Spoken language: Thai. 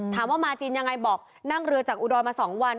ถามว่ามาจีนยังไงบอกนั่งเรือจากอูดอยมาสองวัน